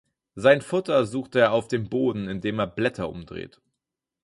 Sein Futter sucht er auf dem Boden in dem er Blätter umdreht.